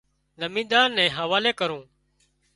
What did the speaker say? زميندار نين حوالي ڪريو